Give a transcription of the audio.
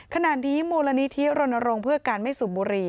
ขณะนี้มูลนิธิรณรงค์เพื่อการไม่สูบบุหรี่